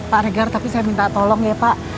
pak regar tapi saya minta tolong ya pak